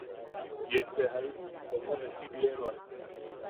Ian bea jaibu omo recibieroak.